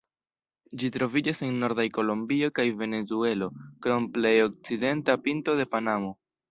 Ĝi troviĝas en nordaj Kolombio kaj Venezuelo, krom plej okcidenta pinto de Panamo.